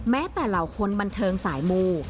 แม้แต่เหล่าคนบันเทิงสายมู